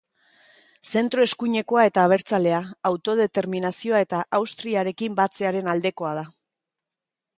Zentro-eskuinekoa eta abertzalea, autodeterminazioa eta Austriarekin batzearen aldekoa da.